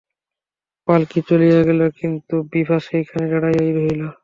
পাল্কী চলিয়া গেল, কিন্তু বিভা সেইখানে দাঁড়াইয়া রহিল।